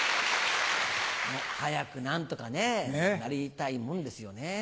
早く何とかねなりたいもんですよね。